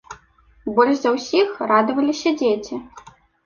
Больш за ўсіх радаваліся дзеці.